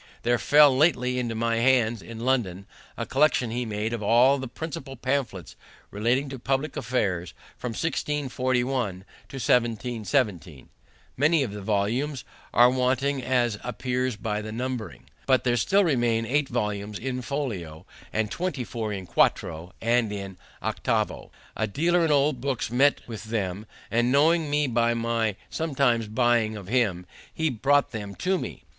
There fell lately into my hands, in London, a collection he had made of all the principal pamphlets relating to public affairs, from 1641 to 1717; many of the volumes are wanting as appears by the numbering, but there still remain eight volumes in folio, and twenty four in quarto and in octavo. A dealer in old books met with them, and knowing me by my sometimes buying of him, he brought them to me.